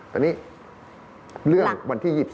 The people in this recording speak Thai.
แต่นี่เรื่องวันที่๒๔นะครับ